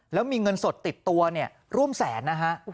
แล้วมีเงินสดติดตัวร่วมแสน